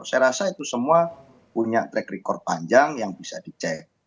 saya rasa itu semua punya track record panjang yang bisa dicek